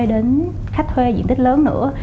đến khách thuê diện tích lớn nữa